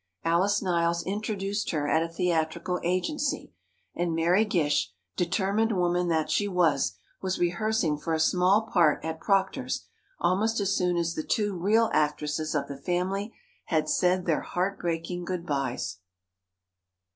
Alice Niles introduced her at a theatrical agency, and Mary Gish—determined woman that she was—was rehearsing for a small part at Proctor's almost as soon as the two real actresses of the family had said their heartbreaking good byes.